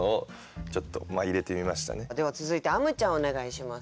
では続いてあむちゃんお願いします。